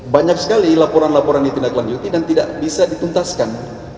dan tidak bisa dituntaskan